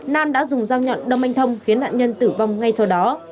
nam đã dùng dao nhọn đâm anh thông khiến nạn nhân tử vong ngay sau đó